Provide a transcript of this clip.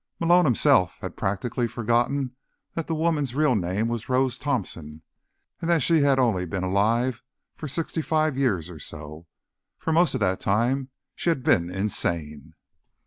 Malone, himself, had practically forgotten that the woman's real name was Rose Thompson, and that she had only been alive for sixty five years or so. For most of that time, she had been insane.